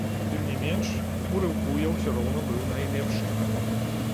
Тым не меншу, у рыўку я ўсё роўна быў найлепшы.